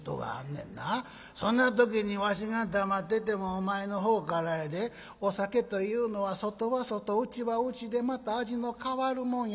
そんな時にわしが黙っててもお前のほうからやで『お酒というのは外は外内は内でまた味の変わるもんやそうです。